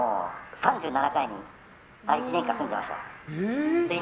３７階に１年間、住んでました。